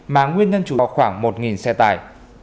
mà nguyên nhân chủ khoảng một xe tải